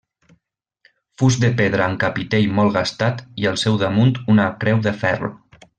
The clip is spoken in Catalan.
Fust de pedra amb capitell molt gastat i al seu damunt una creu de ferro.